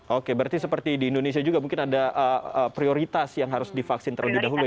oke berarti seperti di indonesia juga mungkin ada prioritas yang harus divaksin terlebih dahulu ya